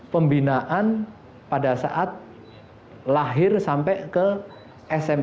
pembinaan pada saat lahir sampai ke smp